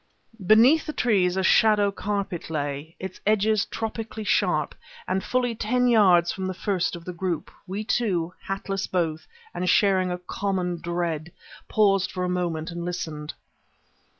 Beneath the trees a shadow carpet lay, its edges tropically sharp; and fully ten yards from the first of the group, we two, hatless both, and sharing a common dread, paused for a moment and listened.